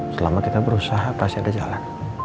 selama kita berusaha pasti ada jalan